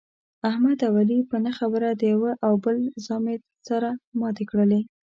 احمد او علي په نه خبره د یوه او بل زامې سره ماتې کړلې.